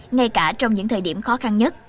ngay cả trong những thời điểm khó khăn nhất